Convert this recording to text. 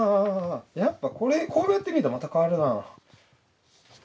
やっぱこうやって見るとまた変わるなぁ。